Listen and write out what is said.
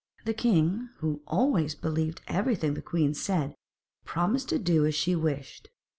The king, who always believed everything the queen said, promised to do as she wished.